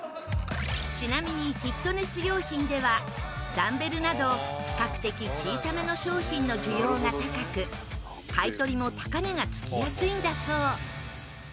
ちなみにフィットネス用品ではダンベルなど比較的小さめの商品の需要が高く買い取りも高値が付きやすいんだそう。